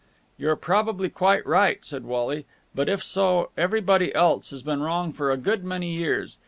"You're probably quite right," said Wally, "but, if so, everybody else has been wrong for a good many years.